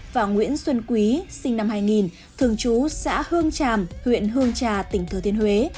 và nguyễn xuân quý sinh năm hai nghìn thường trú xã hương tràm huyện hương trà tỉnh thừa thiên huế